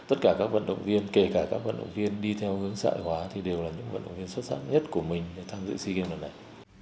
tất cả các vận động viên kể cả các vận động viên đi theo hướng xã hội hóa thì đều là những vận động viên xuất sắc nhất của mình để tham dự sea games lần này